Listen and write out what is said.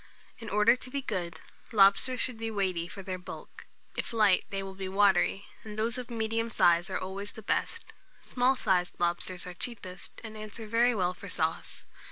In order to be good, lobsters should be weighty for their bulk; if light, they will be watery; and those of the medium size, are always the best. Small sized lobsters are cheapest, and answer very well for sauce.